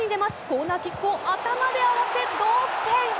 コーナーキックを頭で合わせ同点。